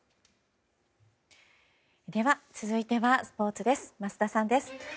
では、続いてはスポーツ、桝田さんです。